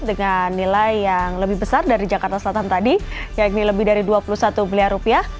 dengan nilai yang lebih besar dari jakarta selatan tadi yakni lebih dari dua puluh satu miliar rupiah